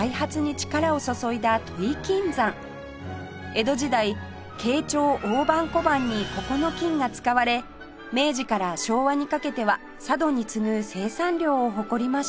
江戸時代慶長大判小判にここの金が使われ明治から昭和にかけては佐渡に次ぐ生産量を誇りました